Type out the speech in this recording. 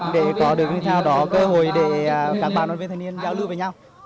để có được cơ hội để các bạn đoàn viên thanh niên giao lưu với nhau